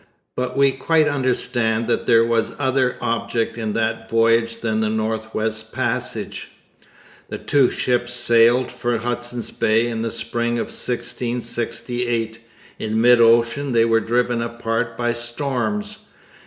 But we quite understand that there was other object in that voyage than the North West Passage. The two ships sailed for Hudson Bay in the spring of 1668. In mid ocean they were driven apart by storms.